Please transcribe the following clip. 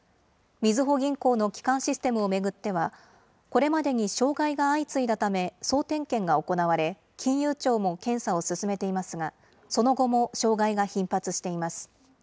みずほ銀行の基幹システムを巡っては、これまでに障害が相次いだため総点検が行われ、金融庁も検査を進めていますが、その後も障害が頻発しています。